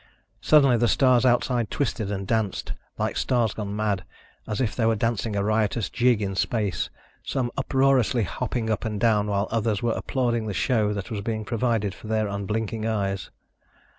Suddenly the stars outside twisted and danced, like stars gone mad, as if they were dancing a riotous jig in space, some uproariously hopping up and down while others were applauding the show that was being provided for their unblinking eyes.